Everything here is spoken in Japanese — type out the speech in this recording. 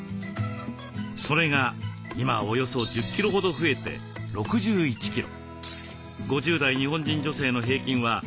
それが今はおよそ１０キロほど増えて６１キロ。